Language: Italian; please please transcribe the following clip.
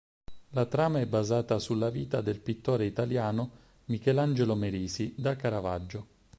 La trama è basata sulla vita del pittore italiano Michelangelo Merisi da Caravaggio.